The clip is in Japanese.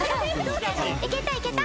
いけた、いけた。